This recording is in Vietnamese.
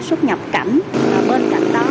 xuất nhập cảnh bên cạnh đó